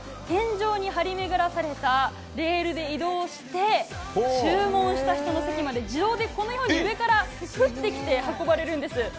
天井に張り巡らされたレールで移動して注文した人の席まで自動で上から降ってきて運ばれるんです。